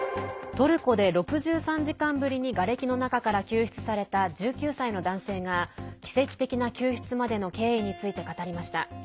トルコで、６３時間ぶりにがれきの中から救出された１９歳の男性が奇跡的な救出までの経緯について語りました。